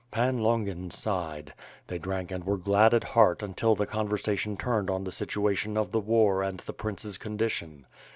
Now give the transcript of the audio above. Pan Longin sighed. They drank and were glad at heart until the conversation turned on the situa tion of the war and the prince's condition.